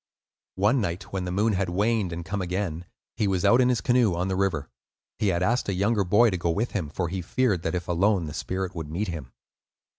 One night when the moon had waned and come again, he was out in his canoe on the river. He had asked a younger boy to go with him, for he feared that, if alone, the spirit would meet him.